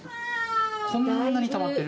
こんなにたまってる。